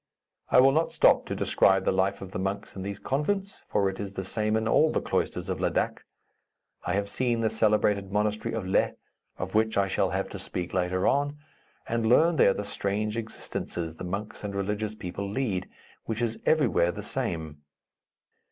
I will not stop to describe the life of the monks in those convents, for it is the same in all the cloisters of Ladak. I have seen the celebrated monastery of Leh of which I shall have to speak later on and learned there the strange existences the monks and religious people lead, which is everywhere the same.